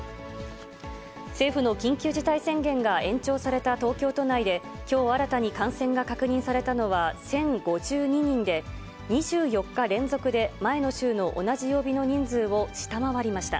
政府の緊急事態宣言が延長された東京都内で、きょう新たに感染が確認されたのは１０５２人で、２４日連続で前の週の同じ曜日の人数を下回りました。